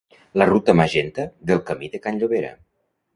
la ruta magenta del camí de can Llobera